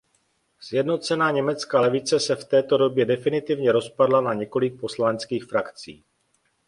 Sjednocená německá levice se v této době definitivně rozpadla na několik poslaneckých frakcí.